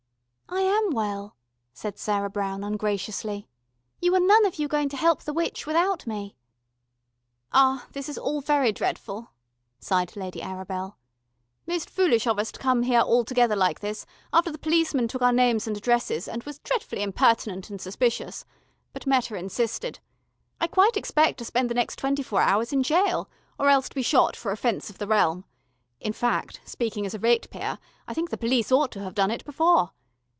"I am well," said Sarah Brown ungraciously. "You are none of you going to help the witch without me." "Ah, this is all very dretful," sighed Lady Arabel. "Most foolish of us to come here all together like this, after the policeman took our names and addresses, and was dretfully impertinent and suspicious. But Meta insisted. I quite expect to spend the next twenty four hours in gaol, or else to be shot for Offence of the Realm. In fact, speaking as a ratepayer, I think the police ought to have done it before.